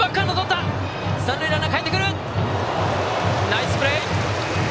ナイスプレー！